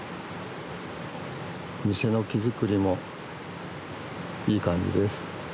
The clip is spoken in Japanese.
店の木造りもいい感じです。